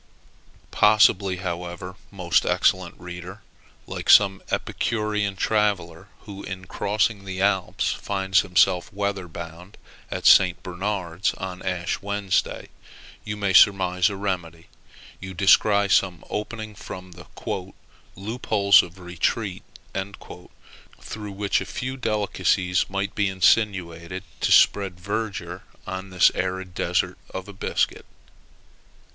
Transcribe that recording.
Possibly, however, most excellent reader, like some epicurean traveller, who, in crossing the Alps, finds himself weather bound at St. Bernard's on Ash Wednesday, you surmise a remedy: you descry some opening from "the loopholes of retreat," through which a few delicacies might be insinuated to spread verdure on this arid desert of biscuit.